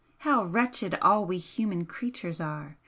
How wretched all we human creatures are!